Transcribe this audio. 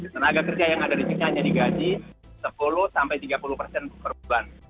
tenaga kerja yang ada di sini hanya digaji sepuluh sampai tiga puluh persen per bulan